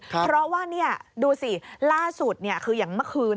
เพราะว่านี่ดูสิล่าสุดคืออย่างเมื่อคืน